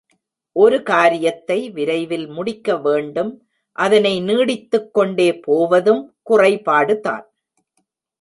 ஒரு காரியத்தை விரைவில் முடிக்க வேண்டும் அதனை நீட்டித்துக்கொண்டே போவதும் குறைபாடுதான்.